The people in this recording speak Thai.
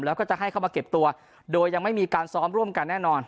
แล้วก็จะให้เข้ามาเก็บตัวโดยยังไม่มีการซ้อมร่วมกันแน่นอน